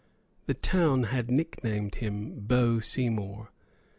The town had nicknamed him Beau Seymour.